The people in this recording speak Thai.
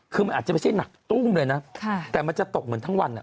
คือมันอาจจะไม่ใช่หนักตู้มเลยนะแต่มันจะตกเหมือนทั้งวัน